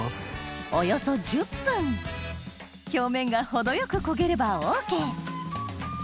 およそ１０分表面が程よく焦げればＯＫ